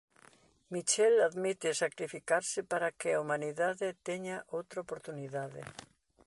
Michel admite sacrificarse para que a humanidade teña outra oportunidade.